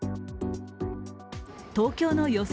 東京の予想